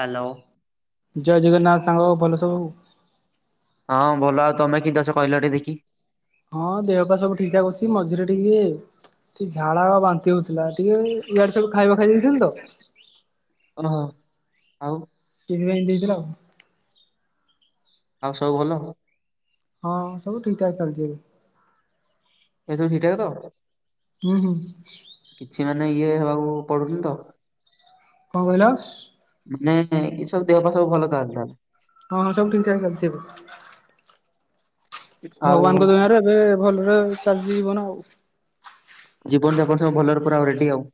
Hello. ଜୟ ଜଗନ୍ନାଥ ସାଙ୍ଗ ଭଲ ସବୁ? ହଁ ଭଲ। ଆଉ ତମେ କିମିତି ଅଛ କହିଲ ଟିକେ ଦେଖି। ହଁ ଦେହ ପାହା ସବୁ ଠିକ୍ ଠାକ୍ ଅଛି। ମଝିରେ ଟିକେ ଟିକେ ଝାଡ଼ା ଓ ବାନ୍ତି ହଉଥିଲା। ଟିକେ ଇଆଡୁ ସିଆଡୁ ଖାଇବା ଖାଇ ଦେଇଥିଲି ତ। [unintelligible] ହଁ। ସେଇଥିପାଇଁ ସେମିତି ହେଇଥିଲା ଆଉ। ଆଉ ସବୁ ଭଲ? ହଁ ସବୁ ଠିକ୍ ଠାକ୍ ଚାଲିଛି ଏବେ। ଏବେ ସବୁ ଠିକ୍ ଠାକ୍ ତ? ହୁଁ ହୁଁ। କିଛି ମାନେ ଇଏ ହେବାକୁ ପଡୁନି ତ? କଣ କହିଲ? ମାନେ ଏସବୁ ଦେହ ପାହ ସବୁ ଭଲ ତାହେଲେ ତାହାଲେ। ହଁ ହଁ ସବୁ ଠିକ୍ ଠାକ୍ ଚାଲିଛି ଏବେ। ଆଉ ଭଗବାନଙ୍କ ଦୟାରେ ଏବେ ଭଲରେ ଚାଲଚି ଜୀବନ ଆଉ। ଜୀବନଯାପନ ସବୁ ଭଲରେ ପୁରା ଆଉ ରେଡି ଆଉ।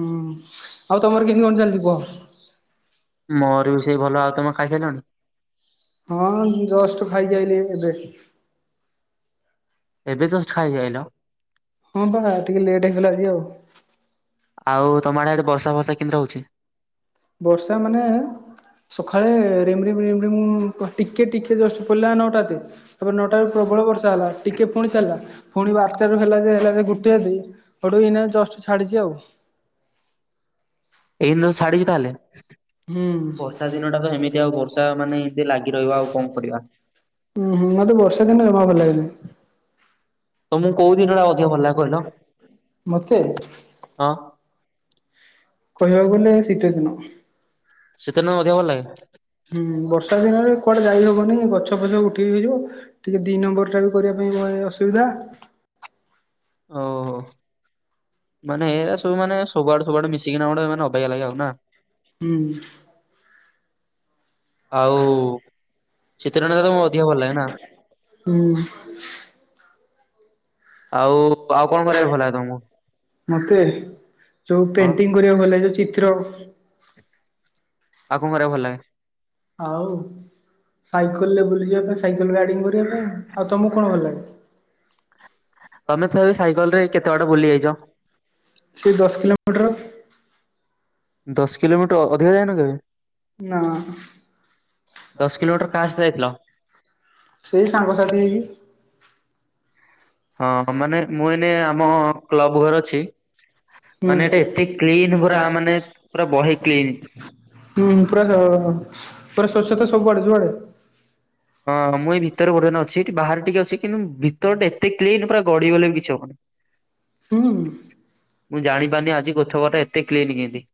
ହୁଁ ଆଉ ତମର କେମିତି କଣ ଚାଲିଛି କୁହ? ମୋର ବି ସେଇ ଭଲ। ଆଉ ତମେ ଖାଇସାଇଲଣି? ହଁ ମୁଁ ଜଷ୍ଟ ଖାଇକି ଆଇଲି ଏବେ। ଏବେ ଯଷ୍ଟ ଖାଇକି ଆଇଲ? ହଁ ପା ଟିକେ ଲେଟ୍ ହେଇଗଲା ଆଜି ଆଉ। ଆଉ ତମର ଆଡେ ବର୍ଷା ଫର୍ଷା କେମିତି ହଉଚି? ବର୍ଷା ମାନେ ସଖାଳେ ରିମ୍ ରିମ୍ ରିମ୍ ରିମ୍ ଟିକେ ଟିକେ ଜଷ୍ଟ ପଡ଼ିଲା ନଟା ତେ। ତାପରେ ନଅଟା ବେଳୁ କୁ ପ୍ରବଳ ବର୍ଷା ହେଲା ଟିକେ ପୁଣି ଚାଲିଲା। ପୁଣି ବାରଟାରୁ ହେଲା ଯେ ହେଲା ଯେ ଗୋଟିଏ ଆତେ ହେଠୁ ଏଇନା ଜଷ୍ଟ ଛାଡ଼ିଚି ଆଉ। ଏଇନା ତୁ ଛାଡିଚି ତାହେଲେ? ହୁଁ ବର୍ଷା ଦିନ ଟା ତ ଏମିତି ଆଉ ବର୍ଷା ମାନେ ଏମିତି ଲାଗି ରହିବ। ଆଉ କଣ କରିବା? ଉଁ ହୁଁ ମତେ ବର୍ଷା ଦିନ ଜମା ଭଲ ଲାଗେନି। ତମକୁ କୋଉ ଦିନଟା ଅଧିକ ଭଲ ଲାଗେ କହିଲ? ମତେ? ହଁ। କହିବାକୁ ଗଲେ ଶୀତ ଦିନ। ଶୀତ ଦିନ ଅଧିକ ଭଲ ଲାଗେ? ହୁଁ ବର୍ଷା ଦିନରେ କୁଆଡେ ଯାଇ ହବନି। ଗଛ ଫଛ ଉଠିକି ହେଇଯିବ। ଟିକେ ଦି ନମ୍ବର ଟା ବି କରିବା ପାଇଁ ଏ ଅସୁବିଧା। ଓହୋ ମାନେ ଏ ସବୁ ମାନେ ସବୁ ଆଡୁ ସବୁଆଡେ ମିଶିକିନା ଗୋଟେ ମାନେ ଅବାଗିଆ ଲାଗେ ଆଉ ନା? ଉଁ। ଆଉ ଶୀତ ଦିନ ଟା ତମୁକୁ ଅଧିକା ଭଲ ଲାଗେ ନା? ହୁଁ। ଆଉ ଆଉ କଣ କରିବାକୁ ଭଲ ଲାଗେ ତମକୁ? ମତେ ଯୋଉ ହଁ ପେଣ୍ଟିଙ୍ଗ କରିବାକୁ ଭଲ ଗଲେ। ଯୋଉ ଚିତ୍ର? ଆଉ କଣ କରିବାକୁ ଭଲ ଲାଗେ? ଆଉ ସାଇକେଲ ରେ ବୁଲି ଯିବା ପାଇଁ ସାଇକେଲ ରାଇଡିଙ୍ଗ କରିବା ପାଇଁ। ଆଉ ତମକୁ କଣ ଭଲ ଲାଗେ? ତମେ ତଥାପି ସାଇକେଲରେ କେତେ ବାଟ ବୁଲି ଯାଇଛ ସେ ଦଶ କିଲୋମିଟର। ଦଶ କିଲୋମିଟର ଅଧିକା ଯାଇନ କେବେ? ନା। ଦଶ କିଲୋମିଟର କାହା ସହିତ ଯାଇଥିଲ? ସେଇ ସାଙ୍ଗସାଥି ହେଇକି। ହଁ ମାନେ ମୁଁ ଏଇନେ ଆମ କ୍ଲବ ଘରେ ଅଛି। ହୁଁ ମାନେ ଏଇଟା ଏତେ କ୍ଲିନ ପୁରା ମାନେ ପୁରା ବହି କ୍ଲିନ। ହୁଁ ପୁରା ପୁରା ସ୍ୱୋଚ୍ଛତା ସବୁଆଡେ ଯୁଆଡେ? ହଁ ମୁଁ ଏଇ ଭିତରେ ବର୍ତ୍ତମାନ ଅଛି। ବାହାରେ ଟିକେ ଅଛି କିନ୍ତୁ ଭିତର ଟା ଏତେ କ୍ଲିନ ପୁରା। ଗଡି ଗଲେ ବି କିଛି ହବନି। ହୁଁ ମୁଁ ଜାଣି ପାରୁନି ଆଜି କୋଠା ଘର ଟା ଏତେ କ୍ଲିନ୍ କେମତି?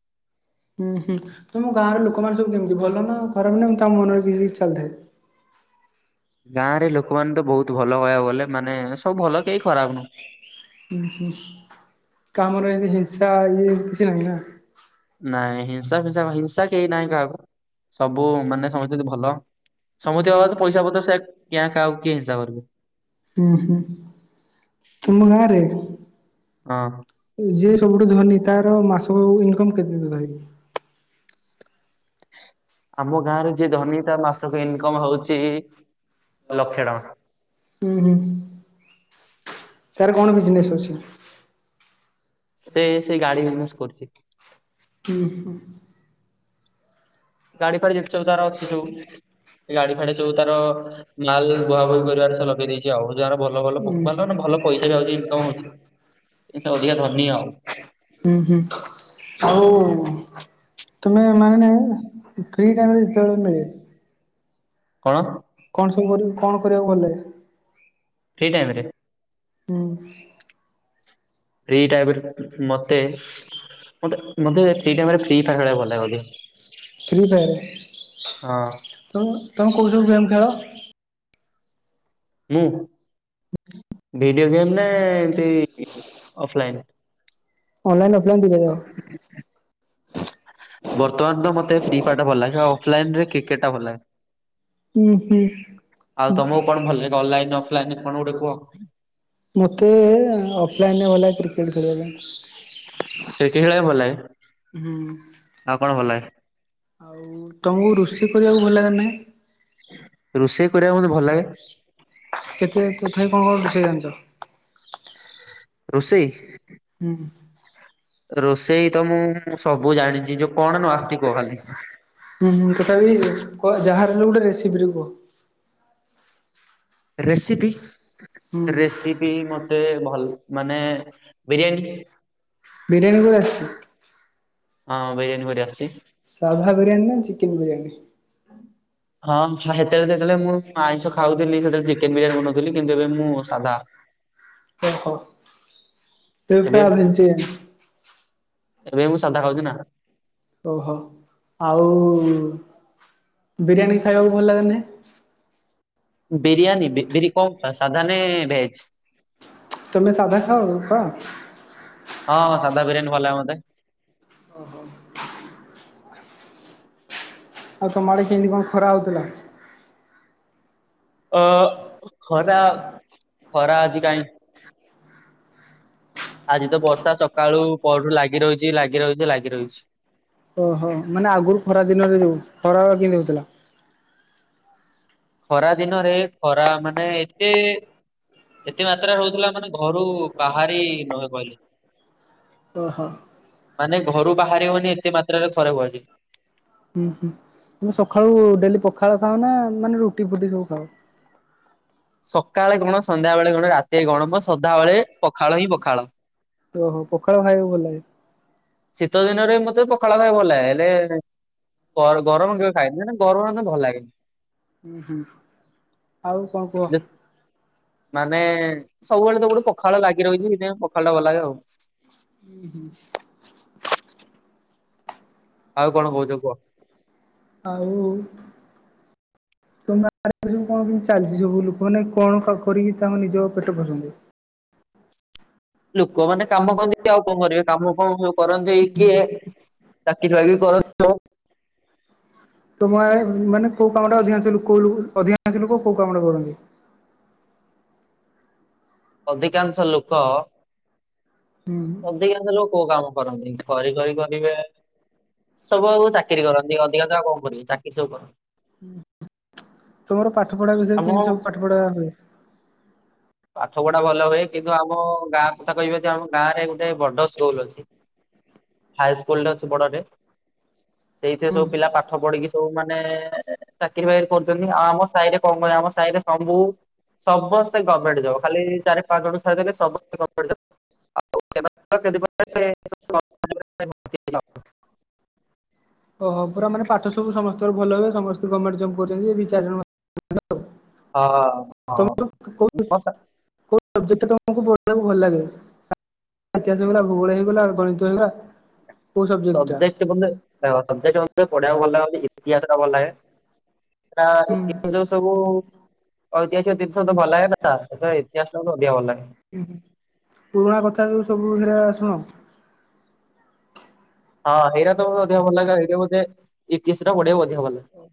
ଉଁ ହୁଁ ତମ ଗାଁର ଲୋକ ମାନେ ସବୁ କେମିତି। ଭଲ ନା ଖରାପ ନା ଉଁ ତାଙ୍କ ମନରେ କିଛି କିଛି ଚାଲିଥାଏ? ଗାଁ ରେ ଲୋକମାନେ ତ ବହୁତ ଭଲ କହିଆକୁ ଗଲେ। ମାନେ ସବୁ ଭଲ କେହି ଖରାପ ନୁହଁ। ଉଁ ହୁଁ କା ମନରେ ଏମିତି ହିଂସା ଇଏ କିଛି ନାହିଁ ନା? ନାଇଁ ହିଂସା ଫିଂସା ହିଂସା କେହି ନାହିଁ କାହାକୁ ସବୁ ମାନେ ସମସ୍ତେ ହଉଚନ୍ତି ଭଲ। ସମସ୍ତିଙ୍କ ପାଖରେ ତ ପଇସା ପତ୍ର ସେ କିଆଁ କାହାକୁ କିଏ ହିଂସା କରିବ? ହୁଁ ହୁଁ ତୁମ ଗାଁରେ ହଁ। ଯିଏ ସବୁଠୁ ଧନୀ ତାର ମାସକୁ ଇନକମ କେତେ ତଥାପି? ଆମ ଗାଁ ରେ ଯିଏ ଧନୀ ତା ମାସକୁ ଇନକମ ହଉଚି ଲକ୍ଷେ ଟଙ୍କା। ଉଁ ହୁଁ ତାର କଣ ବିଜନେସ୍ ଅଛି? ସେ ସେଇ ଗାଡି ବିଜନେସ କରୁଚି। ଉଁ ହୁଁ। ଗାଡି ଫାଡି ଯେତେ ସବୁ ତାର ଅଛି ସବୁ ସେ ଗାଡି ଫାଡି ସବୁ ତାର ମାଲ ବୁହାବୋହି କରିବାରେ ସେ ଲଗେଇ ଦେଇଚି ଆଉ। ରୋଜଗାର ଭଲ ଭଲ [unintelligible] ହୁଁ ମାନେ ଭଲ। ପଇସା ବି ଆଉଚି ଇନକମ୍ ହଉଚି। ସେ ଅଧିକା ଧନୀ ଆଉ। ହୁଁ ହୁଁ ଆଉ ତୁମେ ମାନେ ଫ୍ରୀ ଟାଇମ୍ ରେ ଯେତେବେଳେ ମିଳେ। କଣ? କଣ ସବୁ କରିବୁ? କଣ କରିବାକୁ ଭଲ ଲାଗେ? ଫ୍ରୀ ଟାଇମ୍ ରେ। ହୁଁ। ଫ୍ରୀ ଟାଇମ୍ ରେ। ମତେ ମତେ ମତେ ଫ୍ରୀ ଟାଇମରେ ଫ୍ରି ଫାୟାର୍ ଖେଳିବାକୁ ଭଲ ଲାଗେ ଅଧିକ। Free fire. ତମ ତମେ କୋଉ ହଁ। ସବୁ ଗେମ୍ ଖେଳ? ମୁଁ ଭିଡ଼ିଓ ଗେମ୍ ନା ଏମିତି ଅଫଲାଇନ୍? ଅନଲାଇନ୍ ଅଫଲାଇନ୍ ଦିଟା ଯାକ। ବର୍ତ୍ତମାନ ତ ମତେ ଫ୍ରି ଫାୟାର ଟା ଭଲ ଲାଗେ। ଅଫଲାଇନ୍ ରେ କ୍ରିକେଟ୍ ଟା ଭଲ ଲାଗେ। ହୁଁ ହୁଁ ଆଉ ହ। ତମକୁ କଣ ଭଲ ଲାଗେ ଅନଲାଇନ ଅଫଲାଇନ କଣ ଗୋଟେ କୁହ? ମୋତେ ଅଫଲାଇନ୍ ରେ ଭଲ ଲାଗେ କ୍ରିକେଟ୍ ଖେଳିବା ପାଇଁ। ସେ କି ଖେଳେଇବାକୁ ଭଲ ଲାଗେ? ହୁଁ। ଆଉ କଣ ଭଲ ଲାଗେ? ଆଉ ତମୁକୁ ରୋଷେଇ କରିବାକୁ ଭଲ ଲାଗେ ନା ନାଇଁ? ରୁଷେଇ କରିବାକୁ ମୋତେ ଭଲ ଲାଗେ। କେତେ ତଥାପି କଣ କଣ ରୋଷେଇ ଜାଣିଛ? ରୋଷେଇ ହୁଁ। ରୋଷେଇ ତ ମୁଁ ସବୁ ଜାଣିଚି। ଯୋଉ କଣ ନ ଆସିଚି କୁହ ଖାଲି। ହୁଁ ହୁଁ ତଥାପି କ ଯାହାର ହେଲେ ଗୁଟେ ରେସିପି ଟେ କୁହ? ରେସିପି ହୁଁ ରେସିପି ମତେ ଭଲ୍ ମାନେ ବିରିୟାନୀ ବିରିୟାନୀ ପୁରା ଆସିଚି? ହଁ ବିରିୟାନୀ କରିବା। ସାଧା ବିରିୟାନୀ ନା ଚିକେନ ବିରିୟାନୀ? ହଁ ହଁ, ସେତେବେଳେ ଯେତେବେଳେ ମୁଁ ଆଇଁଷ ଖାଉଥିଲି ସେତେବେଳେ ଚିକେନ ବିରିୟାନୀ ବନଉଥିଲି କିନ୍ତୁ ଏବେ ମୁଁ ସାଧା। ଓହୋ। ତେବେ ଏବେ ଆହୁରି ଇଞ୍ଚେଇଆଣି। ଏବେ ମୁଁ ସାଦା ଖାଉଛିି ନା। ଓହୋ ଆଉ ବିରିୟାନୀ ଖାଇବାକୁ ଭଲ ଲାଗେ ନା ନାହିଁ। ବିରିୟାନୀ ବି ବିରି କଣ ସାଧା ନେଇ ଭେଜ୍? ତମେ ସାଧା ଖାଅ ପା। ହଁ ସାଦା ବିରିୟାନୀ ଭଲ ଲାଗେ ମତେ। ଓହୋ। ଆଉ ତମ ଆଡ଼େ କିମିତି କଣ ଖରା ହଉଥିଲା? ଅ ଖରା ଖରା ଆଜି କାଇଁ ଆଜି ତ ବର୍ଷା ସକାଳୁ ପରଠୁ ଲାଗି ରହିଛି ଲାଗି ରହିଛି ଲାଗି ରହିଛି। ଓହୋ ମାନେ ଆଗୁରୁ ଖରା ଦିନରେ ଯୋ ଖରା ଯେମତି ହଉଥିଲା। ଖରା ଦିନରେ ଖରା ମାନେ ଏତେ ଏତେ ମାତ୍ରାରେ ହଉଥିଲା ମାନେ ଘରୁ ବାହାରି ନହେଁ କହିଲେ। ଓ ହ। ମାନେ ଘରୁ ବାହାରି ହଉନି ଏତେ ମାତ୍ରାରେ ଖରାକୁ ବାହାରିଛି। ହୁଁ ହୁଁ ତୁମେ ସଖାଳୁ ଡେଲି ପଖାଳ ଖାଅ ନା ମାନେ ରୁଟି ଫୁଟି ସବୁ ଖାଅ? ସକାଳେ କଣ ସନ୍ଧ୍ୟାବେେଳେ କଣ ରାତିରେ କଣ ମୋର ସଦାବେଳେ ପଖାଳ ହିଁ ପଖାଳ। ଓହୋ ପଖାଳ ଖାଇବାକୁ ଭଲ ଲାଗେ। ଶୀତ ଦିନରେ ମତେ ପଖାଳ ଖାଇବାକୁ ଭଲ ଲାଗେ। ହେଲେ ଗରମ ଗରମ ମୁଁ କେବେ ଖାଏନି। ନାଇ ନାଇ ଗରମ ନା ଭଲ ଲାଗେନି। ହୁଁ ଆଉ କଣ କୁହ? ମାନେ-ଏ-ଏ ସବୁବେଳେ ତ ଗୋଟେ ପଖାଳ ଲାଗି ରହିଛି ସେଥିପାଇଁ ପଖାଳ ଟା ଭଲ ଲାଗେ ଆଉ। ହୁଁ ହୁଁ, ଆଉ କଣ କହୁଛ କୁହ? ଆଉ-ଉ-ଉ, ତମ ଆ ଆଡେ ସବୁ କଣ କେମିତି ଚାଲିଛି ସବୁ ଲୋକ ମାନେ କଣ କରିକି ତାଙ୍କ ନିଜ ପେଟ ପୋଷନ୍ତି? ଲୋକମାନେ କାମ କରନ୍ତି ଆଉ କଣ କରିବେ। କାମଫାମ ସବୁ କରନ୍ତି କିଏ ସ ଚାକିରୀ ବାକିରୀ କର [inaudible] ତୁମ ଆଡେ ମାନେ କୋଉ କାମଟା ଅଧିକାଂଶ ଲୋକ ଓ ଅଧିକାଂଶ ଲୋକ କୋଉ କାମଟା କରନ୍ତି? ଅଧିକାଂଶ ଲୋକ, ହୁଁ ଅଧିକାଂଶ ଲୋକ କୋଉ କାମ କରନ୍ତି ସରି [unintelligible] କରିବେ ସବୁ ଆଉ ଚାକିରୀ କରନ୍ତି ଅଧିକାଂଶ ଆଉ କଣ କରିବେ ଚାକିରୀ ସବୁ କରନ୍ତି। ଉ ହୁଁ, ତମର ପାଠ ପଢା ବିଷୟରେ ଆମ କେମିତି ସବୁ ପାଠ ପଢ଼ା ହୁଏ। ପାଠ ପଢା ଭଲ ହୁଏ। କିନ୍ତୁ ଆମ ଗାଁ କଥା କହିବି ଯଦି ଆମ ଗାଁ ରେ ଗୋଟେ ବଡ ସ୍କୁଲ ଅଛି। ହାଇସ୍କୁଲଟେ ଅଛି ବଡ଼ଟେ। ସେଇଥିରେ ହୁଁ ସବୁ ପିଲା ପାଠ ପଢିକି ସବୁ ମାନେ-ଏ-ଏ-ଏ ଚା କିରି ଫାଂକିରି କରୁଛନ୍ତି। ଆମ ସାହିରେ କଣ କହିଲେ ଆମ ସାହିରେ ସବୁ-ଉ-ଉ-ଉ ସମସ୍ତେ [unintelligible] ଖାଲି [inaudible] ଓହୋ ପୁରା ମାନେ ପାଠ ସବୁ ସମସ୍ତଙ୍କର ଭଲ ହୁଏ। ସମସ୍ତେ ଗଭର୍ଣ୍ଣମେଣ୍ଟ ଜବ କରୁଛନ୍ତି। ଦି ଚାରି ଜଣ ହ୍ୟାଲୋ, ହଁ, ହଁ [inaudible] କୋଉ ସବଜେକ୍ଟ ତମକୁ ପଢିବାକୁ ଭଲ ଲାଗେ? ହତିଆସ ହେଇଗଲା, ଭୂଗୋଳ ହେଇଗଲା, ଗଣିତ ହେଇଗଲା। କୋଉ ଟା? ସବଜେକ୍ଟ [unintelligible] ଅ-ଅ-ଅ ସବଜେକ୍ଟ ମୋତେ ପଢ଼ିବାକୁ ଭଲ ଲାଗେ ବି ଇତିହାସ ଟା ଭଲ ଲାଗେ। ସେଇଟା-ଆ-ଆ ହୁଁ [unintelligible] ଯୋଉ ସବୁ-ଉ-ଉ-ଉ ଐତିହାସିକ [unintelligible] ମୋତେ ଇତିହାସ ଟା କିନ୍ତୁ ଅଧିକା ଭଲ ଲାଗେ। ପୁରୁଣା କଥା ଯ ସବୁ [unintelligible] ଶୁଣ ହଁ ହେଇରା ତ ଅଧିକ ଭଲ ଲାଗେ ଏଇଥିପାଇ ମୋତେ ଇତିହାସଟା ପଢିବାକୁ ଅଧିକ ଭଲ ଲାଗେ। ହ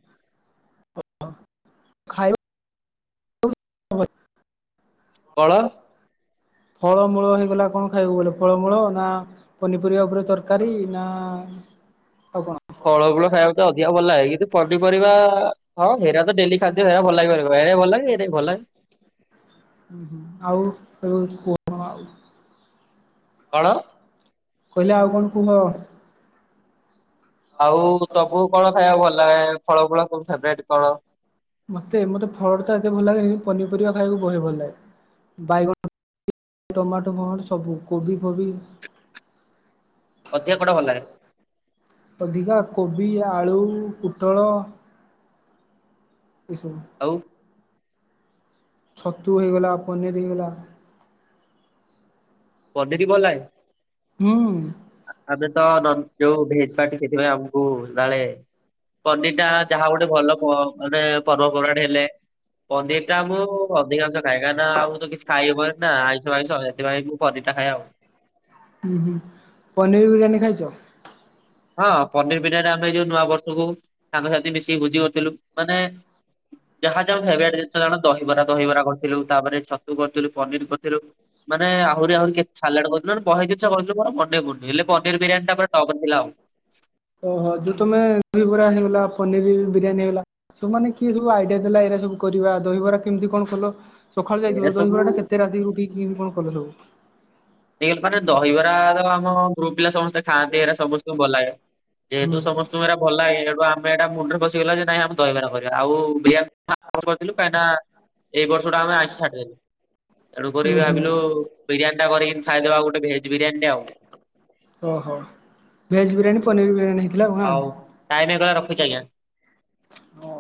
ହ କଣ? ଫଳମୂଳ ହେଇଗଲା କଣ ଖାଇବାକୁ ଗଲେ ଫଳମୂଳ ନା ପନିପରିବା ଉପରେ ତରକାରୀ ନା-ଆ-ଆ ଆଉ କଣ? ଫଳ ମୂଳ ଖାଇବାକୁ ତ ଅଧିକା ଭଲ ଲାଗେ କିନ୍ତୁ ପନିପରିବା-ଆ-ଆ-ଆ ହଁ ହେରା ତ ଡେଲି ଖାଦ୍ୟ ହେରା ଭଲ ଲାଗେ ବେଳେ ବେଳେ ହେରା ଭଲ ଲାଗେ ଏରା ବି ଭଲ ଲାଗେ। ହୁଁ ହୁଁ, ଆଉ [unintelligible] ଆଉ। କଣ? କହିଲେ ଆଉ କଣ କୁହ? ଆଉ ତମକୁ କଣ ଖାଇବାକୁ ଭଲ ଲାଗେ ଫଳ ଫୂଳୁ ସବୁ ଫେବରଟ୍ କଣ? ମତେ ମତେ ଫଳ ଟା ଏତେ ଭଲ ଲାଗେନି ପନିପରିବା ଖାଇବାକୁ ବହେ ଭଲ ଲାଗେ। ବାଇଗଣ ଟମାଟୋ ଫମାଟୋ ସବୁ କୋବି ଫୋବି ଅଧିକ କଉଟା ଭଲ ଲାଗେ? ଅଧିକା କୋବି, ଆଳୁ, ପୋଟଳ। ଏସବୁ, ଆଉ? ଛତୁ ହୋଇଇଗଲା, ପନିର ହେଇଗଲା। ପନିରୀ ଭଲ ଲାଗେ? ହୁଁ, ଆମେ ତ ନନ୍ ଯୋଉ ଭେଜ ପାର୍ଟି ସେଥିପାଇଁ ଆମକୁ ସଦାବେଳେ ପନିର ଟା ଯାହା ଗୋଟେ ଭଲ ଅ ମାନେ ପର୍ବପର୍ବାଣି ହେଲେ ପନିର ଟା ମୁଁ ଅଧିକାଂଶ ଖାଏ କାହିଁକି ନା ଆଉ ତ କିଛି ଖାଇହବନି ନା ଆଇଁଷ ପାଇଁଷ ସେଥିପାଇଁ ପନିରଟା ଖାଏ ଆଉ। ହୁଁ ହୁଁ ପନିର ବିରିୟାନୀ ଖାଇଛ? ହଁ ପନିର ବିରିୟାନୀ ଆମେ ଏଇ ଯୋଉ ନୂଆ ବର୍ଷକୁ ସାଙ୍ଗସାଥି ମିଶିକି ଭୋଜି କରିଥିଲୁ। ମାନେ ଯାହା ଯାହାର ଫେବରାଇଟ୍ ଜିନିଷ ଜାଣ ଦହିବରା ଦହିବରା କରିଥିଲୁ, ତା ପରେ ଛତୁ କରିଥିଲୁ, ପନିର କରିଥିଲୁ ମାନେ ଆହୁରି ଆହୁରି କେ ସାଲାଡ କରିଥିଲୁ। ଆମେ ବହେ ଜିନିଷ କରିଥିଲୁ ମୋର ମନେ ପଡୁନି। ହେଲେ ପନିର ବିରିୟାନୀ ଟା ପୁରା ଟପରେ ଥିଲା ଆଉ। ଓହୋ ଯୋଉ ତମେ ଦହିବରା ହେଇଗଲା ପନିର ବିରିୟାନୀ ହେଇଗଲା, ସବୁମାନେ କିଏ ସବୁ ଆଇଡିଆ ଦେଲା ଏଇଗୁରା ସବୁ କରିବା? ଦହିବରା କେମିତି କଣ କଲ? ସଖାଳୁ ଏଇରା ଯାଇଥିବ। ସବୁ ଦହିବରାଟା କେତେ ରାତିରୁ ଉଠିକି କେମିତି କଣ କଲ ସବୁ? ଏଇ ମାନେ ଦହିବରା ତ ଆମ ଗ୍ରୁପ ପିଲା ସମସ୍ତେ ଖାଆନ୍ତି ଏଇଗୁରା ସମସ୍ତଙ୍କୁ ଭଲ ଲାଗେ। ହୁଁ ଯେହେତୁ ସମ ସ୍ତୁଙ୍କୁ ଏଗୁରା ଭଲ ଲାଗେ ସେଇଠୁ ଆମେ ଏଇଟା ମୁଣ୍ଡରେ ପସିିଗଲା ଯେ ନାଇଁ ଆମେ ଦହିବରା କରିବା। ଆଉ ବିୟା ଆମେ ଆର ବର୍ଷ କରିଥିଲୁ କାହିଁକି ନା ଏ ବର୍ଷୁଟା ଆମେ ଆଇଁଷ ଛାଡ଼ିଦେଲୁ। ତେଣୁକରି ହୁଁ ହୁଁ। ଭାବିଲୁ ବିରିୟାନୀଟା କରିକି ଖାଇଦବା ଆଉ ଗୋଟେ ଭେଜ ବିରିୟାନୀଟେ ଆଉ। ଓହୋ ଭେଜ ବିରିୟାନୀ ପନିର ବିରିୟାନୀ ହେଇ ହଉ ଟାଇମ ହେଇଗଲା ରଖୁଛି ଆଜ୍ଞା। ହଁ।